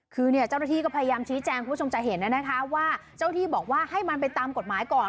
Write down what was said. คือเนี่ยเจ้าหน้าที่ก็พยายามชี้แจงคุณผู้ชมจะเห็นนะคะว่าเจ้าที่บอกว่าให้มันไปตามกฎหมายก่อน